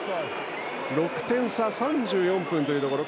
６点差、３４分というところ。